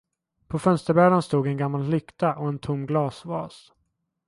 På fönsterbrädan stod en gammal lykta och en tom glasvas.